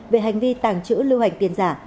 về hành vi tàng trữ lưu hành tiền giả